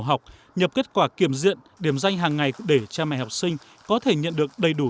học nhập kết quả kiểm diện điểm danh hàng ngày để cha mẹ học sinh có thể nhận được đầy đủ